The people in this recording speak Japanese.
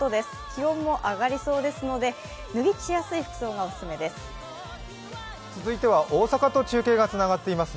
気温も上がりそうですので脱ぎ着しやすい服装がお勧めです。